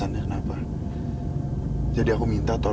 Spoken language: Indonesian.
menggerus sebagai pishmenter jamais